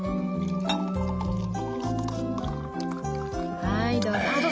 はいどうぞ。